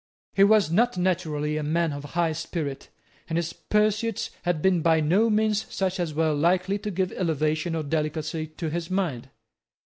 He was not naturally a man of high spirit; and his pursuits had been by no means such as were likely to give elevation or delicacy to his mind.